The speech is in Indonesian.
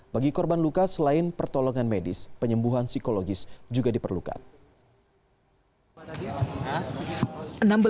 bagi korban luka selain pertolongan medis penyembuhan psikologis juga diperlukan